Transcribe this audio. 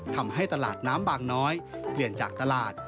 ทำให้ตลาดน้ำบางน้อยเปลี่ยนจากตลาด